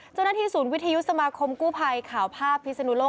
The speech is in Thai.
เจ้าหน้าที่ศูนย์วิทยุสมาคมกู้ภัยข่าวภาพพิศนุโลก